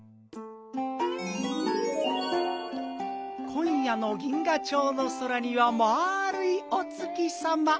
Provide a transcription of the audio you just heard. こんやの銀河町の空にはまあるいお月さま。